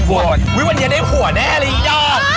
วันนี้ก็ได้ผัวแน่เลยอีกรอบ